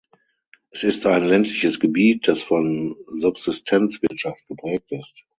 Es ist ein ländliches Gebiet, das von Subsistenzwirtschaft geprägt ist.